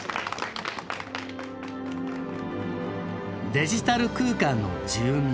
デジタル空間の住民。